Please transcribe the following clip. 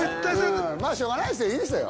まぁしょうがないですよいいですよ。